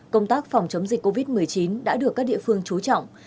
công tác phòng chống dịch covid một mươi chín đã được các địa phương trú trọng